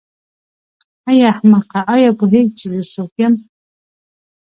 ای احمقه آیا پوهېږې چې زه څوک یم.